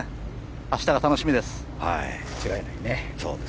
明日が楽しみです。